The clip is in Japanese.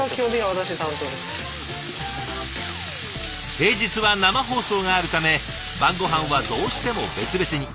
平日は生放送があるため晩ごはんはどうしても別々に。